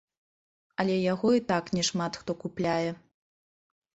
Але яго і так няшмат хто купляе.